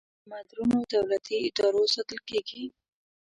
په مدرنو دولتي ادارو ساتل کیږي.